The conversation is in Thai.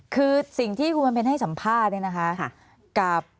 คือสิ่งที่คุณบำเพ็ญให้สัมภาษณ์เนี่ยนะคะ